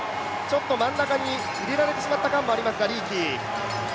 真ん中に入れられてしまった感もありますが、リーキー。